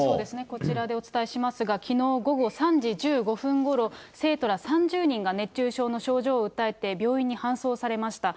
こちらでお伝えしますが、きのう午後３時１５分ごろ、生徒ら３０人が熱中症の症状を訴えて、病院に搬送されました。